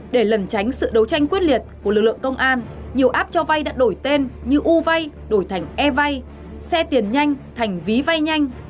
để lần tránh sự đấu tranh quyết liệt của lực lượng công an nhiều app cho vay đã đổi tên như u vay đổi thành e vay xe tiền nhanh thành ví vay nhanh